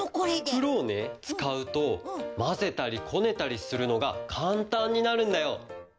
ふくろをねつかうとまぜたりこねたりするのがかんたんになるんだよ。